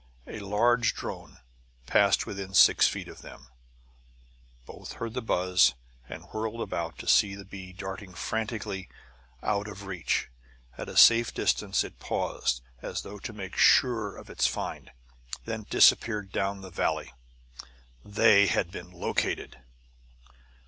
A large drone passed within six feet of them. Both heard the buzz, and whirled about to see the bee darting frantically out of reach. At a safe distance it paused, as though to make sure of its find, then disappeared down the valley. They had been located!